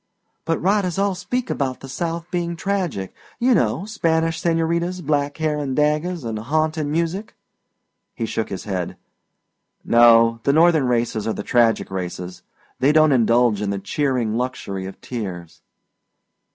"But writers all speak about the South being tragic. You know Spanish señoritas, black hair and daggers an' haunting music." He shook his head. "No, the Northern races are the tragic races they don't indulge in the cheering luxury of tears."